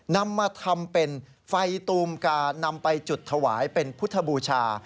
นำมาทำเป็นไฟตูมกานำไปจุดถวายเป็นพุทธบูชา